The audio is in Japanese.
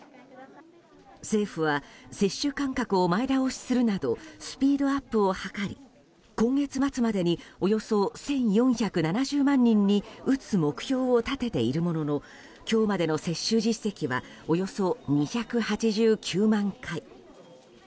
政府は接種間隔を前倒しするなどスピードアップを図り今月末までにおよそ１４７０万人に打つ目標を立てているものの今日までの接種実績はおよそ２８９万回。